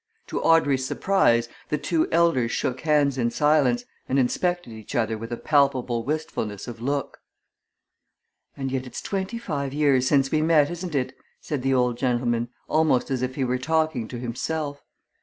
To Audrey's surprise the two elders shook hands in silence, and inspected each other with a palpable wistfulness of look. "And yet it's twenty five years since we met, isn't it?" said the old gentleman, almost as if he were talking to himself.